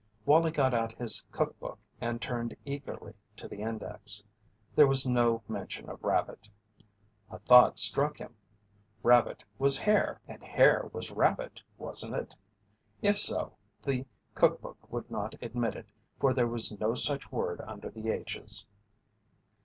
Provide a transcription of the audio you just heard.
Wallie got out his cook book and turned eagerly to the index. There was no mention of rabbit. A thought struck him rabbit was hare and hare was rabbit, wasn't it? If so, the cook book would not admit it, for there was no such word under the H's.